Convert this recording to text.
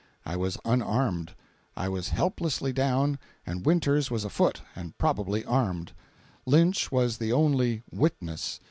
I was unarmed. I was helplessly down, and Winters was afoot and probably armed. Lynch was the only "witness."